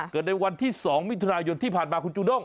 ในวันที่๒มิถุนายนที่ผ่านมาคุณจูด้ง